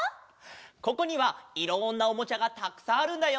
ここにはいろんなおもちゃがたくさんあるんだよ！